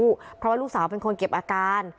เพราะว่าลูกสาวเป็นคนเก็บอาการ